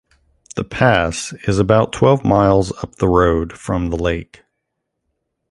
The pass is about twelve miles up the road from the lake.